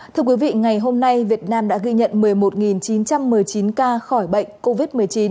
thưa quý vị ngày hôm nay việt nam đã ghi nhận một mươi một chín trăm một mươi chín ca khỏi bệnh covid một mươi chín